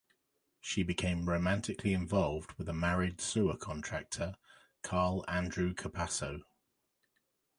She became romantically involved with a married sewer contractor, Carl Andrew Capasso.